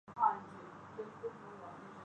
Tahir al-Qadri